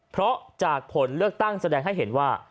เพราะจากผลเลือกตั้งแสดงให้เห็นว่า